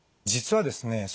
実はですね